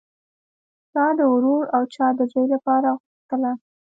چا د ورور او چا د زوی لپاره غوښتله